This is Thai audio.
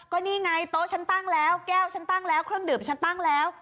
ก็นี่ไงโต๊ะฉันตั้งแล้วแก้วฉันตั้งแล้วเครื่องดื่มฉันตั้งแล้ว